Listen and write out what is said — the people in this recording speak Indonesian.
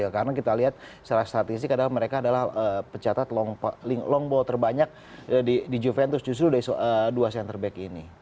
karena kita lihat secara statistik kadang mereka adalah pencatatan long ball terbanyak di juventus justru dari dua center back ini